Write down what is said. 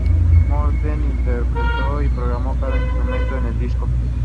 Morten interpretó y programó cada instrumento en el disco.